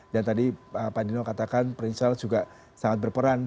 dan tadi pak dino katakan prince charles juga sangat berperan